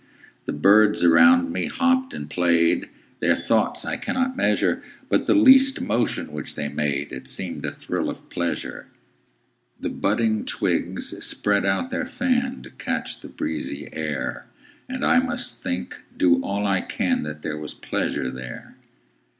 The birds around me hopped and played, Their thoughts I cannot measure: But the least motion which they made It seemed a thrill of pleasure. The budding twigs spread out their fan, To catch the breezy air; And I must think, do all I can, That there was pleasure there.